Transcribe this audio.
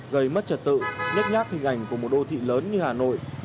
gây mất trật tự nhắc nhắc hình ảnh của một đô thị lớn như hà nội